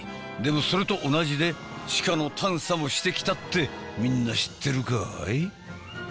でもそれと同じで地下の探査もしてきたってみんな知ってるかい？